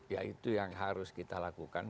ya itu yang harus kita lakukan